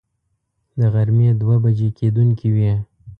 د غرمې دوه بجې کېدونکې وې.